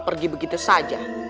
pergi begitu saja